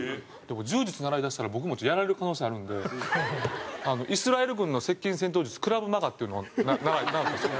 柔術習いだしたら僕もちょっとやられる可能性あるんでイスラエル軍の接近戦闘術クラヴマガっていうのを習ったんですよ。